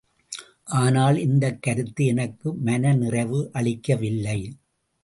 ஆனால் இந்தக் கருத்து எனக்கு மனநிறைவு அளிக்கவில்லை.